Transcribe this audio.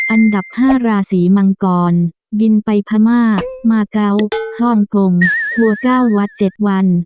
อันดับ๕ราศีมังกรบินไปพม่ามาเกาะฮ่องกงครัว๙วัด๗วัน